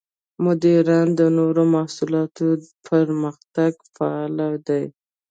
مدیران د نوو محصولاتو په پرمختګ کې فعال دي.